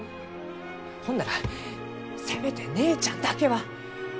ほんならせめて姉ちゃんだけは。